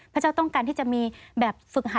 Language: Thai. พระเจ้าต้องการที่จะมีแบบฝึกหา